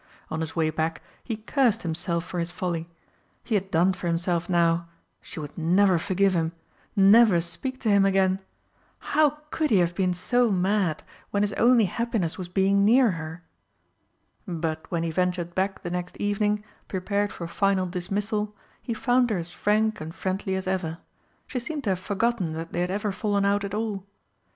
On his way back he cursed himself for his folly. He had done for himself now she would never forgive him, never speak to him again! How could he have been so mad when his only happiness was being near her? But when he ventured back the next evening, prepared for final dismissal, he found her as frank and friendly as ever; she seemed to have forgotten that they had ever fallen out at all.